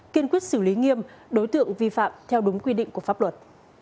kiên quyết xử lý nghiêm đối tượng vi phạm theo đúng quy định của pháp luật